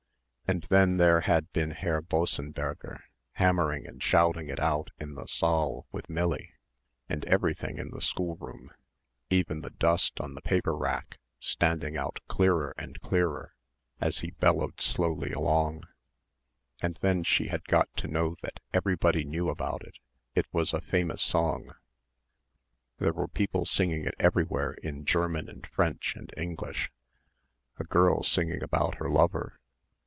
And then there had been Herr Bossenberger, hammering and shouting it out in the saal with Millie, and everything in the schoolroom, even the dust on the paper rack, standing out clearer and clearer as he bellowed slowly along. And then she had got to know that everybody knew about it; it was a famous song. There were people singing it everywhere in German and French and English a girl singing about her lover....